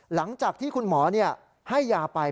หลังจากที่คุณหมอให้ยาไป